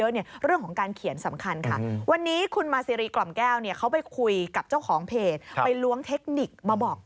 หนึ่งสิ่งสำคัญนะคุณผู้ชม